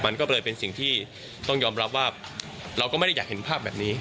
มันก็เลยเป็นสิ่งที่ต้องยอมรับว่าเราก็ไม่ได้อยากเห็นภาพแบบนี้